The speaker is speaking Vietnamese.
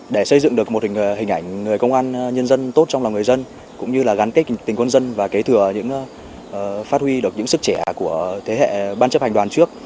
để xây dựng được một hình ảnh người công an nhân dân tốt trong lòng người dân cũng như là gắn kết tình quân dân và kế thừa phát huy được những sức trẻ của thế hệ ban chấp hành đoàn trước